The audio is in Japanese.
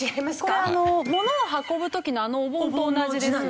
これあの物を運ぶ時のあのお盆と同じですよね。